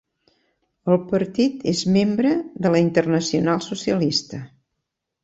El partit és membre de la Internacional Socialista.